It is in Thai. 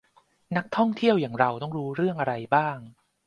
นักท่องเที่ยวอย่างเราต้องรู้เรื่องอะไรบ้าง